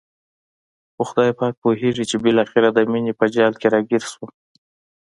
خو خدای پاک پوهېږي چې بالاخره د مینې په جال کې را ګیر شوم.